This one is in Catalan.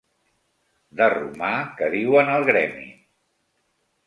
De romà, que diuen al gremi.